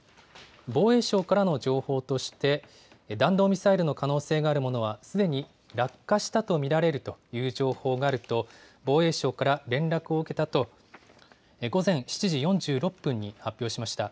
防衛省からの情報として、弾道ミサイルの可能性があるものは、すでに落下したと見られるという情報があると、防衛省から連絡を受けたと、午前７時４６分に発表しました。